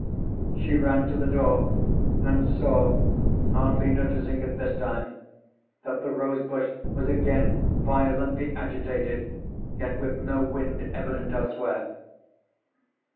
She ran to the door and saw, hardly noticing it this time, that the rose bush was again violently agitated, yet with no wind evident elsewhere.